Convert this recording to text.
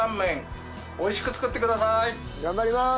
頑張ります！